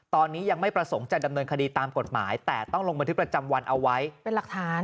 ตอนนี้ยังไม่ประสงค์จะดำเนินคดีตามกฎหมายแต่ต้องลงบันทึกประจำวันเอาไว้เป็นหลักฐาน